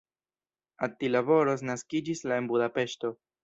Attila Boros naskiĝis la en Budapeŝto.